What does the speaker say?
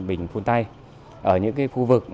bình phun tay ở những khu vực